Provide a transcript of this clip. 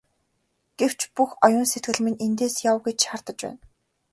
Гэвч бүх оюун сэтгэл минь эндээс яв гэж шаардаж байна.